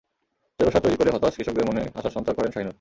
জৈব সার তৈরি করে হতাশ কৃষকদের মনে নতুন আশার সঞ্চার করেন শাহিনূর।